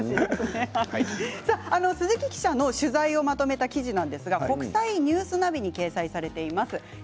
鈴木記者の取材をまとめた記事は国際ニュースナビに掲載されています。